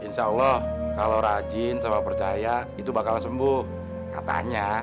insya allah kalau rajin sama percaya itu bakal sembuh katanya